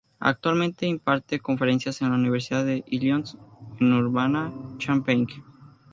Actualmente imparte conferencias en la universidad de Illinois en Urbana-Champaign.